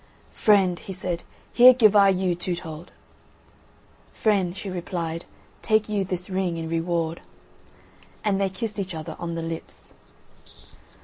"Friend," he said, "here give I you Toothold." "Friend," she replied, "take you this ring in reward." And they kissed each other on the lips.